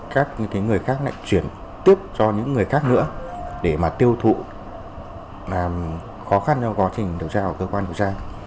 các người khác lại chuyển tiếp cho những người khác nữa để mà tiêu thụ làm khó khăn cho quá trình điều tra của cơ quan điều tra